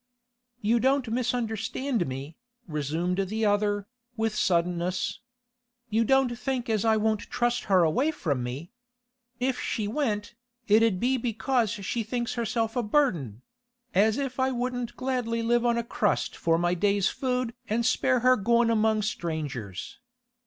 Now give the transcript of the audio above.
'You don't misunderstand me,' resumed the other, with suddenness. 'You don't think as I won't trust her away from me. If she went, it 'ud be because she thinks herself a burden—as if I wouldn't gladly live on a crust for my day's food an' spare her goin' among strangers!